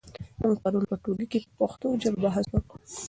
موږ پرون په ټولګي کې په پښتو ژبه بحث وکړ.